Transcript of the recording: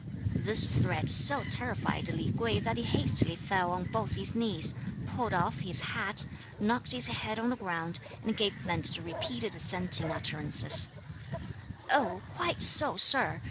This threat so terrified Li Kuei that he hastily fell on both his knees, pulled off his hat, knocked his head on the ground, and gave vent to repeated assenting utterances: "Oh, quite so, Sir!